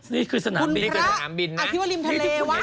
นี่คือสนามบินคุณพระอาจจะคิดว่าริมทะเลวะ